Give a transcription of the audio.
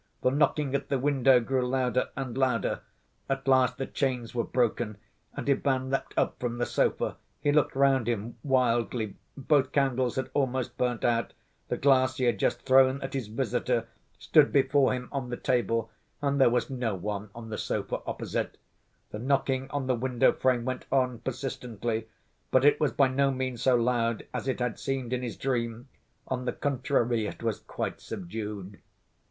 The knocking at the window grew louder and louder. At last the chains were broken and Ivan leapt up from the sofa. He looked round him wildly. Both candles had almost burnt out, the glass he had just thrown at his visitor stood before him on the table, and there was no one on the sofa opposite. The knocking on the window frame went on persistently, but it was by no means so loud as it had seemed in his dream; on the contrary, it was quite subdued.